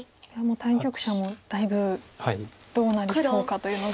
対局者もだいぶどうなりそうかというのが。